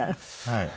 はい。